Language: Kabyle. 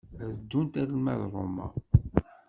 Ad ddunt arma d Roma.